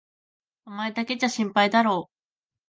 お前だけじゃ心配だろう？